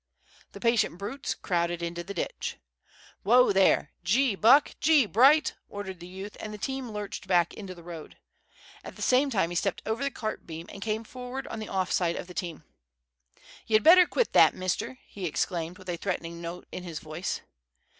The patient brutes crowded into the ditch. "Whoa, there! Gee, Buck! gee, Bright!" ordered the youth, and the team lurched back into the road. At the same time he stepped over the cart beam and came forward on the off side of the team. "Ye'd better quit that, mister!" he exclaimed, with a threatening note in his voice.